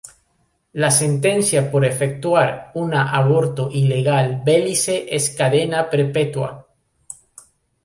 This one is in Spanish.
La sentencia por efectuar una aborto ilegal Belice es cadena perpetua.